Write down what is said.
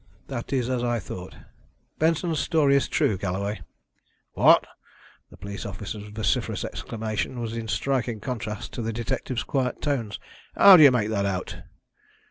"That is as I thought. Benson's story is true, Galloway." "What!" The police officer's vociferous exclamation was in striking contrast to the detective's quiet tones. "How do you make that out?"